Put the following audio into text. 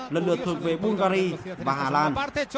lần lượt thuộc về bulgari và hà lan